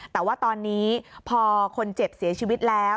แต่ว่าตอนนี้พอคนเจ็บเสียชีวิตแล้ว